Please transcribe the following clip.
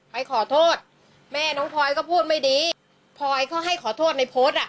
ไปขอโทษแม่น้องพลอยก็พูดไม่ดีพลอยก็ให้ขอโทษในโพสต์อ่ะ